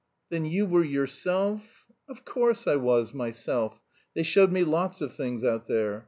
"Then you were yourself..." "Of course I was, myself. They showed me lots of things out there.